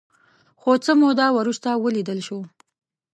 خو څه موده وروسته ولیدل شول